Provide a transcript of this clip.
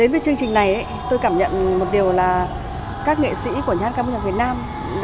với chương trình này tôi cảm nhận một điều là các nghệ sĩ của nhà cao bộ nhạc việt nam